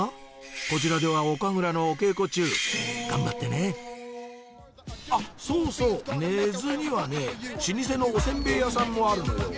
こちらではお神楽のお稽古中頑張ってねあっそうそう根津にはね老舗のお煎餅屋さんもあるのよ